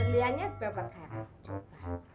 beliannya berapa kali